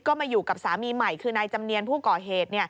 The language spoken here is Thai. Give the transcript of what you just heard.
ก็มาอยู่กับสามีใหม่คือนายจำเนียนผู้ก่อเหตุ